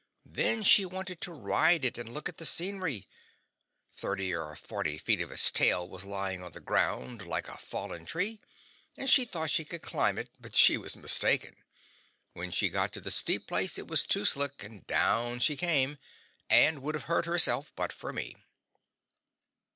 Then she wanted to ride it, and look at the scenery. Thirty or forty feet of its tail was lying on the ground, like a fallen tree, and she thought she could climb it, but she was mistaken; when she got to the steep place it was too slick and down she came, and would have hurt herself but for me.